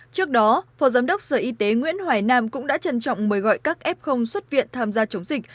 trước đó phó giám đốc sở y tế nguyễn hoài nam cũng đã trân trọng mời gọi các f xuất viện tham gia chống dịch